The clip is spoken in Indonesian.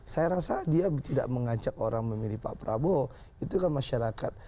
saya rasa dia tidak mengajak orang memilih pak prabowo itu kan masyarakat